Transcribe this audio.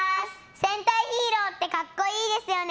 戦隊ヒーローって格好いいですよね。